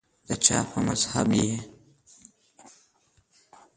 دچا په مذهب یی